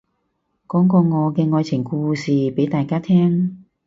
講個我嘅愛情故事俾大家聽